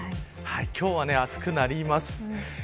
今日は暑くなります。